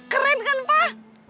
keren kan pak